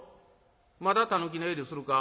まだたぬき寝入りするか？